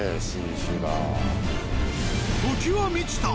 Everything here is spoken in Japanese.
時は満ちた。